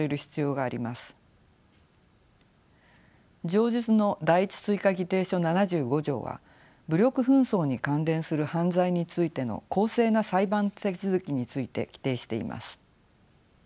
上述の第１追加議定書７５条は武力紛争に関連する犯罪についての公正な裁判手続きについて規定しています。